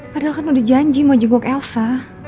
padahal kan udah janji mau jenggok elsa